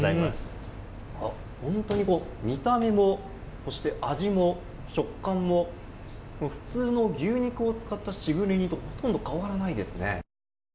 本当に、見た目もそして味も食感も普通の牛肉を使ったしぐれ煮とほとんど変わらないですね。